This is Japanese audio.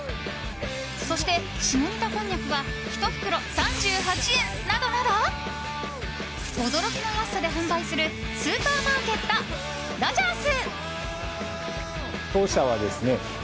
そして、下仁田こんにゃくは１袋３８円などなど驚きの安さで販売するスーパーマーケット、ロヂャース。